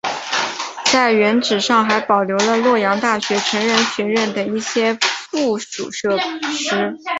在原址上还保留了洛阳大学成人学院等一些附属设施。